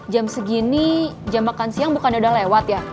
jam segini jam makan siang bukannya udah lewat ya